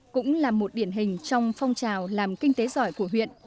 cũng là một điển hình trong phong trào làm kinh tế giỏi của huyện